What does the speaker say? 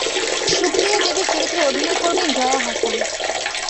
সুপ্রিয়া দেবীর চরিত্রে অভিনয় করবেন জয়া আহসান।